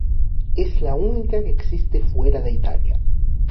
Es la única que existe fuera de Italia.